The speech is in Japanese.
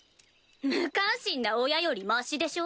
無関心な親よりましでしょ。